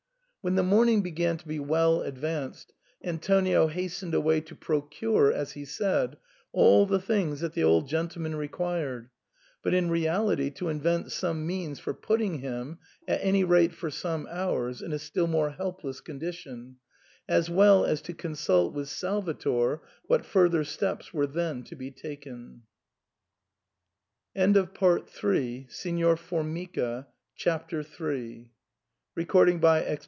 When the morning began to be well advanced, An tonio hastened away to procure, as he said, all the things that the old gentleman required, but in reality to invent some means for putting him, at any rate for some hours, in a still more helpless condition, as well as to consult with Salvator what further steps were then to be taken.